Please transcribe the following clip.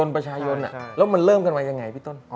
ประชาชนแล้วมันเริ่มกันมายังไงพี่ต้น